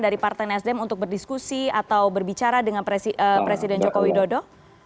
dari partai nasdem untuk berdiskusi atau berbicara dengan presiden joko widodo